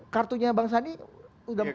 kartunya bang sandi udah